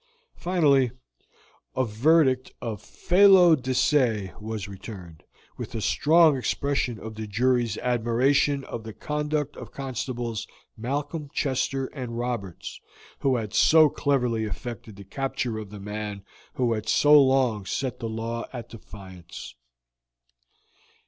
Finally, a verdict of felo de se was returned, with a strong expression of the jury's admiration of the conduct of constables Malcolm, Chester, and Roberts, who had so cleverly effected the capture of the man who had so long set the law at defiance.